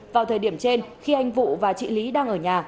vào thời điểm trên khi anh vụ và chị lý đang ở nhà